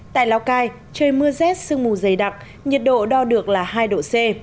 tại lào cai trời mưa rét sương mù dày đặc nhiệt độ đo được là hai độ c